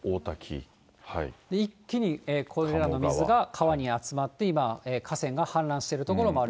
一気にこれらの水が川に集まって今、河川が氾濫している所がある。